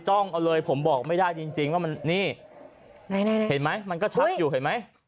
้องเอาเลยผมบอกไม่ได้จริงจริงว่ามันนี่เห็นไหมมันก็ชัดอยู่เห็นไหม